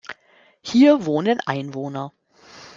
Hier wohnen Einwohner.